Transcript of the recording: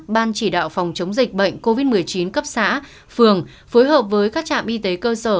ban chỉ đạo phòng chống dịch bệnh covid một mươi chín cấp xã phường phối hợp với các trạm y tế cơ sở